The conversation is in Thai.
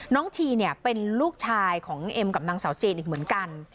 ทีเนี่ยเป็นลูกชายของเอ็มกับนางสาวเจนอีกเหมือนกัน